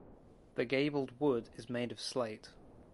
The gabled wood is made of slate.